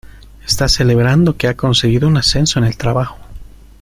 Está celebrando que ha conseguido un ascenso en el trabajo.